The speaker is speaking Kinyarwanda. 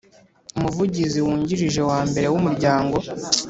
Umuvugizi wungirije wa mbere w Umuryango